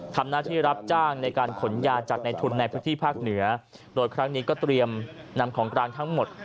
ทำหน้าที่รับจ้างในการขนยาจากในทุนในพื้นที่ภาคเหนือโดยครั้งนี้ก็เตรียมนำของกลางทั้งหมด